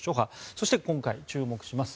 そして、今回注目します